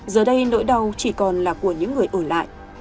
giờ đây nỗi đau chỉ còn là của những người ở lại